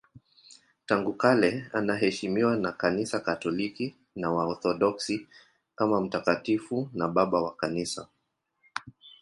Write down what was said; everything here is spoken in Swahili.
Tangu kale anaheshimiwa na Kanisa Katoliki na Waorthodoksi kama mtakatifu na babu wa Kanisa.